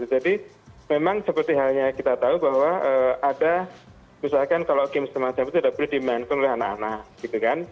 jadi memang seperti halnya kita tahu bahwa ada misalkan kalau game semacam itu tidak boleh dimainkan oleh anak anak